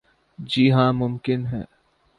جی ہاں ممکن ہے ۔